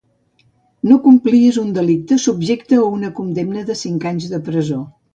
No complir és un delicte subjecte a una condemna de cinc anys de presó.